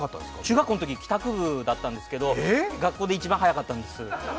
中学校のとき帰宅部だったんですけど、学校で一番速かったんです。